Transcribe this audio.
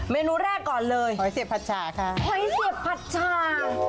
เมนูแรกก่อนเลยหอยเสียบผัดชาค่ะหอยเสียบผัดชา